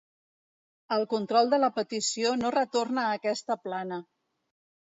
El control de la petició no retorna a aquesta plana.